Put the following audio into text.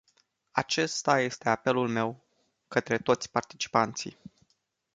Acesta este apelul meu către toți participanții.